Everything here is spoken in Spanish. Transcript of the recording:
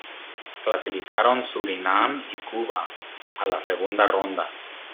Clasificaron Surinam y Cuba a la segunda ronda.